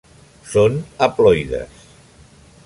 Són haploides.